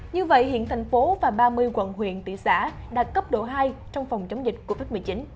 như vậy hiện thành phố và ba mươi quận huyện thị xã đạt cấp độ hai trong phòng chống dịch covid một mươi chín